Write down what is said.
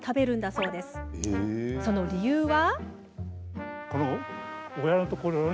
その理由は？